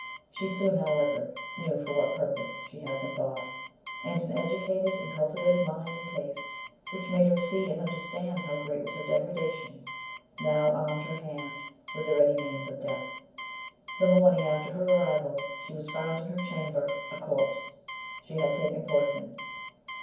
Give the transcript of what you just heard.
She soon, however, knew for what purpose she had been bought; and an educated and cultivated mind and taste, which made her see and understand how great was her degradation, now armed her hand with the ready means of death. The morning after her arrival, she was found in her chamber, a corpse. She had taken poison.